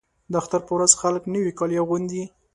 د اختر په ورځ خلک نوي کالي اغوندي.